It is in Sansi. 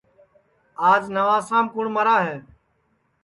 آج نوابشام کُوٹؔ مرا ہے